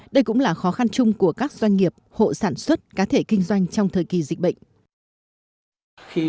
đây cũng là khó khăn chung của các doanh nghiệp hộ sản xuất cá thể kinh doanh trong thời kỳ dịch bệnh